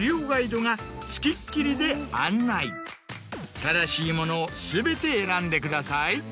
正しいものを全て選んでください。